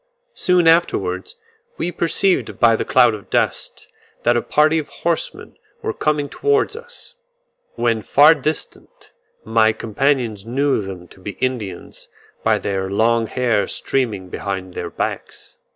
Soon afterwards we perceived by the cloud of dust, that a party of horsemen were coming towards us; when far distant my companions knew them to be Indians, by their long hair streaming behind their backs.